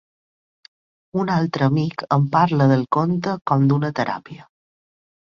Un altre amic em parla del conte com d'una teràpia.